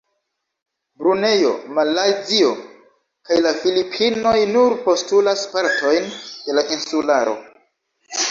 Brunejo, Malajzio kaj la Filipinoj nur postulas partojn de la insularo.